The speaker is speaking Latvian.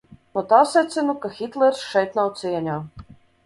No tā secinu, ka Hitlers šeit nav cieņā.